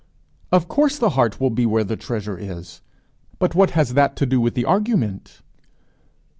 '" "Of course the heart will be where the treasure is; but what has that to do with the argument?"